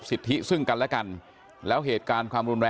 โคศกรรชาวันนี้ได้นำคลิปบอกว่าเป็นคลิปที่ทางตำรวจเอามาแถลงวันนี้นะครับ